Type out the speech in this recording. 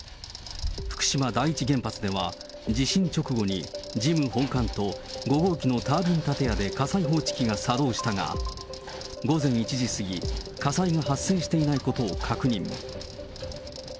福島第一原発では、地震直後に事務本館と５号機のタービン建屋で火災報知器が作動したが、午前１時過ぎ、火災は発生していないことを確認。